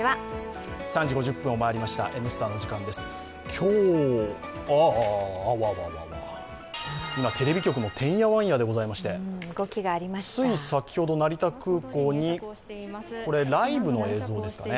今日はテレビ局もてんやわんやでございましてつい先ほど、成田空港に、これライブの映像ですかね。